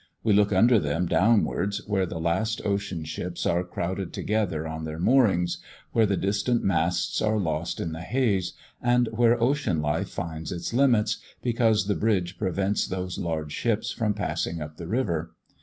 We look under them downwards where the last ocean ships are crowded together on their moorings, where the distant masts are lost in the haze, and where ocean life finds its limits, because the bridges prevent those large ships from passing up the river.